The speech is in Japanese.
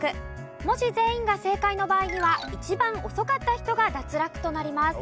もし全員が正解の場合には一番遅かった人が脱落となります。